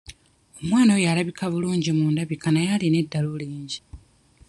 Omwana oyo alabika bulungi mu ndabika naye alina eddalu lingi.